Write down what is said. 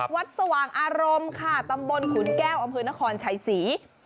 สว่างอารมณ์ค่ะตำบลขุนแก้วอำเภอนครชัยศรี